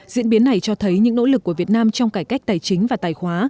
diễn biến này cho thấy những nỗ lực của việt nam trong cải cách tài chính và tài khóa